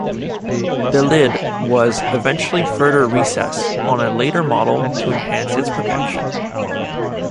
The lid was eventually further recessed on later models to enhance its protection.